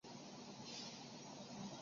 台风为乔杰立家族旗下偶像男子团体。